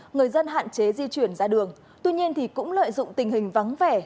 người dân hạn chế di chuyển ra đường tuy nhiên thì cũng lợi dụng tình hình vắng vẻ